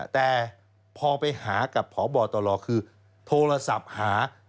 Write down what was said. แต่พอไปหากับพบตรคือโทรศัพท์หา